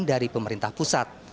dari pemerintah pusat